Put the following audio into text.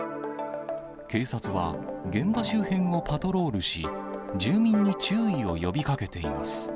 警察は、現場周辺をパトロールし、住民に注意を呼びかけています。